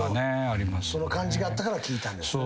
その感じがあったから聞いたんですね。